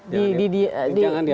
dibiarkan saja begitu pak